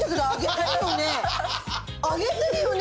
揚げてるよね？